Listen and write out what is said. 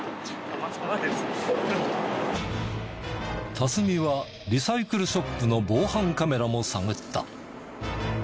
辰己はリサイクルショップの防犯カメラも探った。